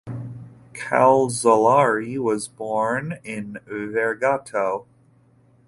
Calzolari was born in Vergato.